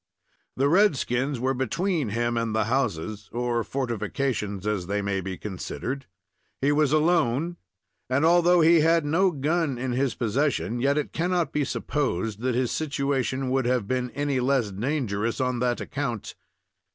The red skins were between him and the houses, or fortifications, as they may be considered. He was alone, and although he had no gun in his possession, yet it cannot be supposed that his situation would have been any less dangerous on that account.